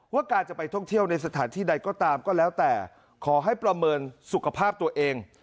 การจะไปท่องเที่ยวในสถานที่ใดก็ตามก็แล้วแต่ขอให้ประเมินสุขภาพตัวเอง